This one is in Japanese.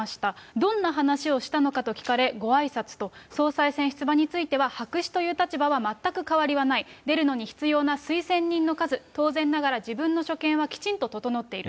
どんな話をしたのかと聞かれ、ごあいさつと、総裁選出馬については、白紙という立場は全く変わりはない、出るのに必要な推薦人の数、当然ながら自分の所見はきちんと整っている。